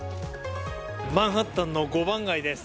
マンハッタンの５番街です。